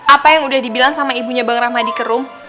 apa yang udah dibilang sama ibunya bang rahmadi kerum